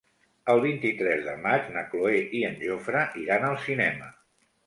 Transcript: El vint-i-tres de maig na Cloè i en Jofre iran al cinema.